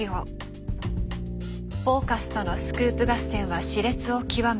「フォーカス」とのスクープ合戦は熾烈を極め